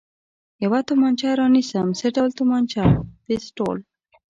یوه تومانچه را نیسم، څه ډول تومانچه؟ پېسټول.